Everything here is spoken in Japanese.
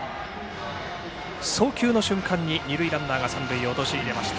送球の瞬間に二塁ランナーが三塁を陥れました。